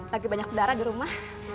lagi banyak darah di rumah